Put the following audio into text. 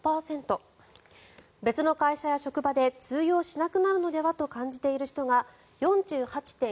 別の会社や職場で通用しなくなるのではと感じている人が４８．９％。